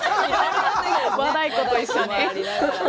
和太鼓と一緒に。